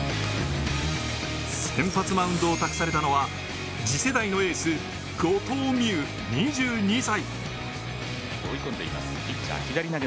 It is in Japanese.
先発マウンドを託されたのは次世代のエース、後藤希友、２２歳。